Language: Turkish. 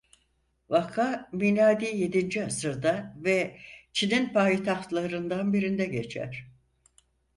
Vaka Miladi yedinci asırda ve Çin'in payitahtlarından birinde geçer.